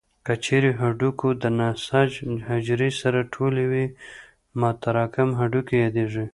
که چیرې هډوکو د نسج حجرې سره ټولې وي متراکم هډوکي یادېږي.